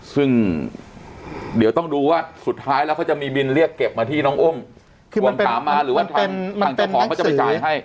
ซึ่งเดี๋ยวต้องดูว่าสุดท้ายแล้วเขาจะมีบินเรียกเก็บมาที่น้องอุ้มทวงถามมาหรือว่าทางฝั่งเจ้าของเขาจะไปจ่ายให้